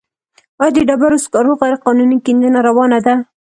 آیا د ډبرو سکرو غیرقانوني کیندنه روانه ده؟